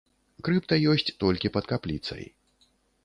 Крыпта ёсць толькі пад капліцай.